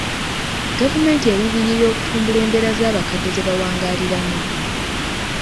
Gavumenti eruubirira kutumbula mbeera z'abakadde ze bawangaaliramu.